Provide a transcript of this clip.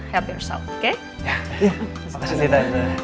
iya makasih tita